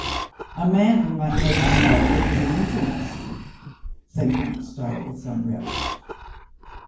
"A man might make him know it was an inso lence," said Colonel Stow with some relish.